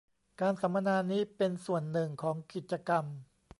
การสัมมนานี้เป็นส่วนหนึ่งของกิจกรรม